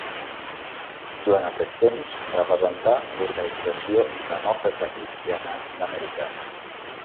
Durant aquest temps representà a l'Organització Demòcrata Cristiana d'Amèrica.